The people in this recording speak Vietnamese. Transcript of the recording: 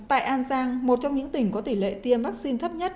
tại an giang một trong những tỉnh có tỷ lệ tiêm vaccine thấp nhất